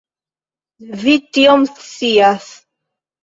Vi tion scias.